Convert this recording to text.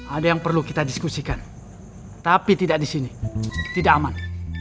ada yang perlu kita diskusikan tapi tidak di sini tidak aman